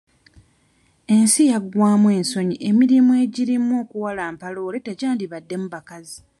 Ensi yaggwamu ensonyi emirimu egirimu okuwalampa loole tegyandibaddemu bakazi.